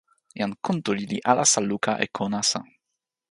jan Kuntuli li alasa luka e ko nasa.